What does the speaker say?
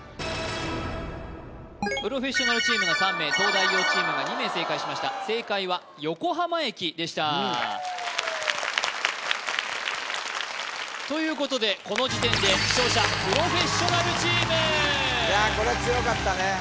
プロフェッショナルチームが３名東大王チームが２名正解しましたでしたということでこの時点で勝者プロフェッショナルチームいやこれは強かったね